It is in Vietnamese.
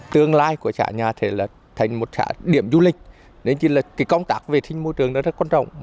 tương lai của trả nhà thành một trả điểm du lịch nên công tác về thiên môi trường rất quan trọng